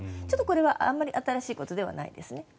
ちょっとこれはあんまり新しいことではないですね。